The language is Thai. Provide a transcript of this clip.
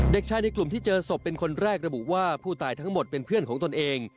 เด็กชายในกลุ่มที่เจอศพเป็นคนแรกระบุว่าผู้ตายทั้งหมดเป็นเพื่อนของตนเอง